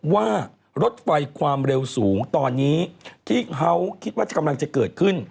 ว่ารถไฟความเร็วสูงตอนนี้ที่เขาคิดว่ากำลังจะเกิดขึ้น